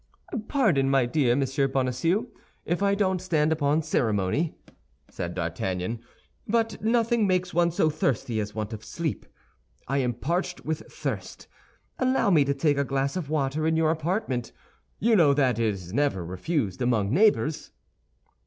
"Pardon, my dear Monsieur Bonacieux, if I don't stand upon ceremony," said D'Artagnan, "but nothing makes one so thirsty as want of sleep. I am parched with thirst. Allow me to take a glass of water in your apartment; you know that is never refused among neighbors."